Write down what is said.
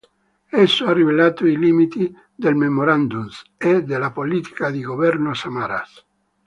Esso ha rivelato i limiti del "memorandum "e della politica di governo Samaras.